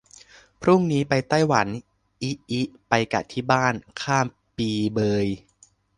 พรุ่งนี้ไปไต้หวัน อิอิ ไปกะที่บ้าน ข้ามปีเบย